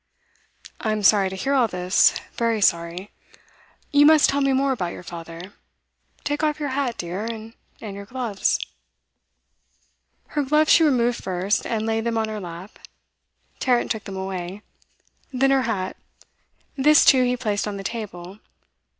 'I'm sorry to hear all this very sorry. You must tell me more about your father. Take off your hat, dear, and your gloves.' Her gloves she removed first, and laid them on her lap; Tarrant took them away. Then her hat; this too he placed on the table.